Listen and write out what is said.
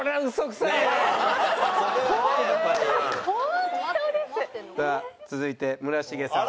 さあ続いて村重さん。